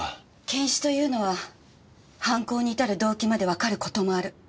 検視というのは犯行にいたる動機までわかる事もある。